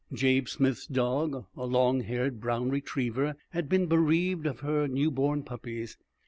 Jabe Smith's dog, a long haired brown retriever, had been bereaved of her new born puppies.